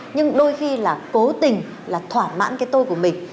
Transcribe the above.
nhưng đôi khi là cố tình là thỏa mãn cái tôi của mình